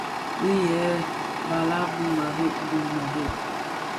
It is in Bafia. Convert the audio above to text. Bim yêê balàg bì mềrei bi mēreè.